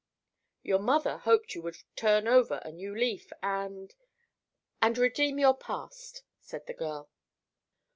"Your mother hoped you would turn over a new leaf and—and redeem your past," said the girl.